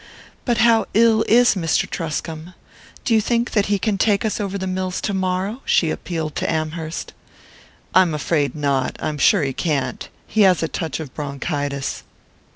"But how ill is Mr. Truscomb? Do you think he can take us over the mills tomorrow?" she appealed to Amherst. "I'm afraid not; I am sure he can't. He has a touch of bronchitis."